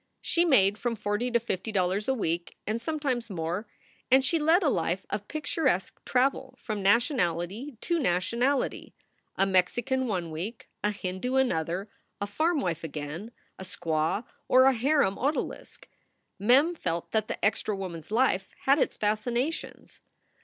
She made from forty to fifty dollars a week, and sometimes more, and she led a life of picturesque travel from nationality to nationality a Mexican one week, a Hindu another, a farm wife again, a squaw, or a harem odalisque. Mem felt that the extra woman s life had its fascinations.